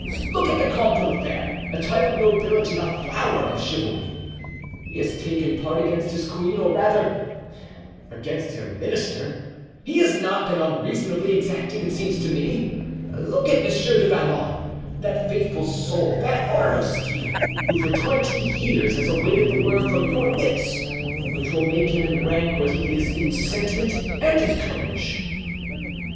Look at the Comte de la Fere, a type of nobility, a flower of chivalry. He has taken part against his queen, or rather, against her minister. He has not been unreasonably exacting, it seems to me. Look at Monsieur du Vallon, that faithful soul, that arm of steel, who for twenty years has awaited the word from your lips which will make him in rank what he is in sentiment and in courage.